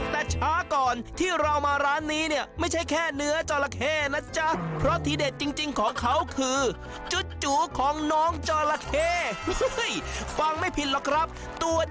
แต่ช้าก่อนที่เรามาร้านนี้เนี่ยไม่ใช่แค่เนื้อจอละเข้นะจ๊ะเพราะที่เด็ดจริงของเขาคือจุ๊ดจู๊ของน้องจอละเข้